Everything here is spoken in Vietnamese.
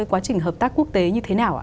quá trình hợp tác quốc tế như thế nào